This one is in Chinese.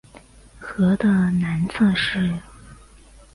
河的南侧是。